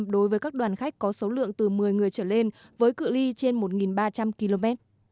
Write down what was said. đối với các đoàn khách có số lượng từ một mươi người trở lên với cự li trên một ba trăm linh km